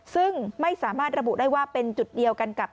ซึ่งไม่สามารถระบุได้ว่าเป็นจุดเดียวกันกับ